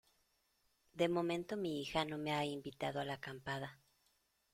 de momento mi hija no me ha invitado a la acampada